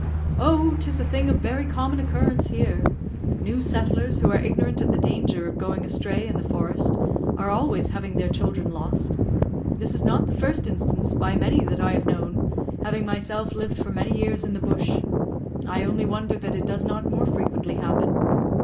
"Oh, 'tis a thing of very common occurrence here. New settlers, who are ignorant of the danger of going astray in the forest, are always having their children lost. This is not the first instance by many that I have known, having myself lived for many years in the bush. I only wonder that it does not more frequently happen.